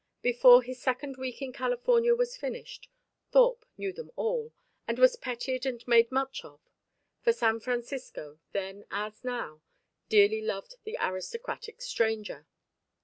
Before his second week in California was finished, Thorpe knew them all, and was petted and made much of; for San Francisco, then as now, dearly loved the aristocratic stranger.